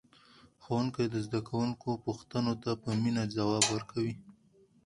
ښوونکی د زده کوونکو پوښتنو ته په مینه ځواب ورکوي